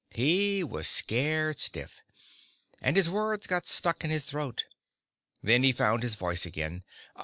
He was scared stiff, and his words got stuck in his throat. Then he found his voice again.